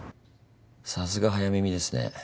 さすが早耳ですね。